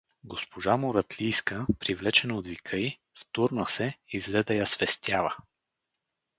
Госпожа Муратлийска, привлечена от вика й, втурна се и взе да я свестява.